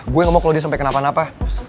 gue gak mau kalau dia sampai kenapa napa